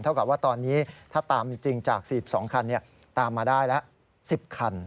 กับว่าตอนนี้ถ้าตามจริงจาก๔๒คันตามมาได้ละ๑๐คัน